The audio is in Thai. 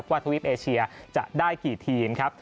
ว่าทวีปเอเชียจะได้กี่ทีม